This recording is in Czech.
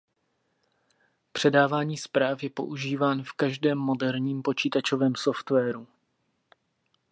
Předávání zpráv je používán v každém moderním počítačovém softwaru.